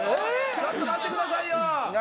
・ちょっと待ってくださいよ何？